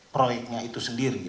proyeknya itu sendiri